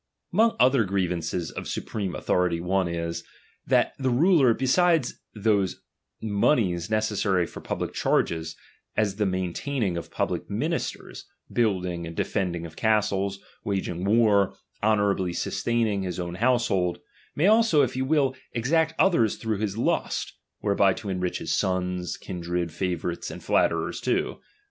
Among other grievances of supreme autho The « rity one is, that the ruler, beside those monies ^™° pnbhc ministers, building, and defending of castles, '^ wa^g wars, honourably sustaining his own house hold, may also, if he will, exact others through his lust, whereby to enrich his sons, kindred, fa vourites, and flatterers too.